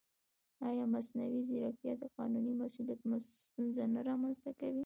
ایا مصنوعي ځیرکتیا د قانوني مسؤلیت ستونزه نه رامنځته کوي؟